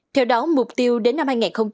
theo đó mục tiêu đến năm hai nghìn hai mươi năm